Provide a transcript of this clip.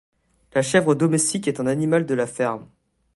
La chèvre domestique est un animal de la ferme